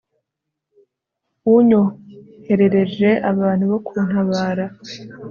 unyoherereje abantu bo kuntabara